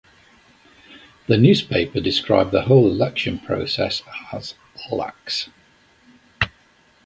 The newspaper described the whole election process as "lax".